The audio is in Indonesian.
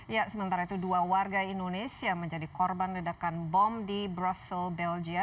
ya sementara itu dua warga indonesia menjadi korban ledakan bom di brussel belgia